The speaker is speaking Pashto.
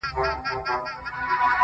د موبايل ټول تصويرونهيېدلېپاتهسي,